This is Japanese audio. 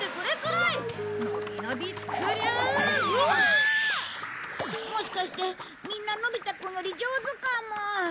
もしかしてみんなのび太くんより上手かも。